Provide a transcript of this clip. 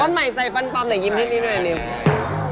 บ้านใหม่ใส่ฟันปอมเดี๋ยวยิ้มทิ้งทิ้งตรงนี้ด้วย